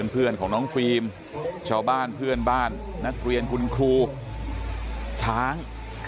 เพื่อนของน้องฟิล์มชาวบ้านเพื่อนบ้านนักเรียนคุณครูช้าง